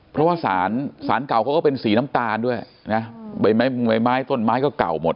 เพราะว่าสารเก่าเขาก็เป็นสีน้ำตาลด้วยไม้ต้นไม้ก็เก่าหมด